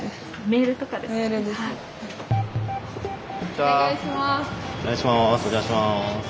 お願いします！